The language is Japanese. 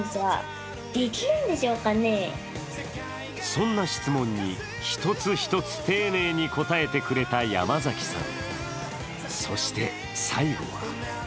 そんな質問に一つ一つ丁寧に答えてくれた山崎さん。